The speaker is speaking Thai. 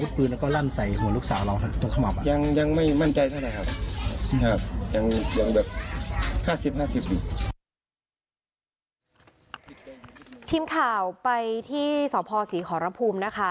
ตอนนี้ที่สกศครพฺร้าพูมนะคะ